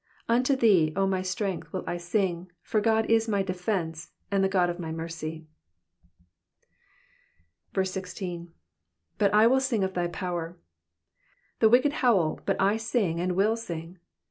17 Unto thee, O my strength, will I sing : for God is my defence, a?id the God of my mercy. 16. '^But I will sing of thy power,'' ^ The wicked howl, but I sing and will sing.